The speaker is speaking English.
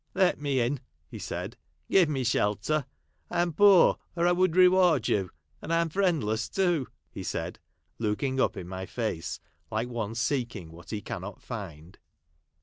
" Let me in !" he said. ' Give me shelter. I am poor, or I Avould 'reward you. And 1 am friendless too." he said, looking up in my face, like one seeking Avhat he cannot find.